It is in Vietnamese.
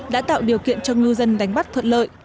đã tạo điều kiện cho ngư dân đánh bắt thuận lợi